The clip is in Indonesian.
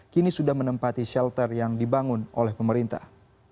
kini sudah menempati shelter yang dibangun oleh pemerintah